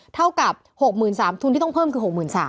เท่ากับ๖๓๐๐ทุนที่ต้องเพิ่มคือ๖๓๐๐